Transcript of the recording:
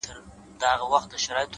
په سل ځله دي غاړي ته لونگ در اچوم;